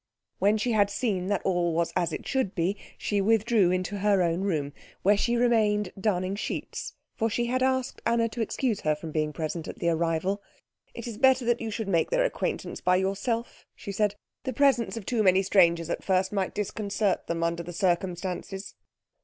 When she had seen that all was as it should be, she withdrew into her own room, where she remained darning sheets, for she had asked Anna to excuse her from being present at the arrival. "It is better that you should make their acquaintance by yourself," she said. "The presence of too many strangers at first might disconcert them under the circumstances."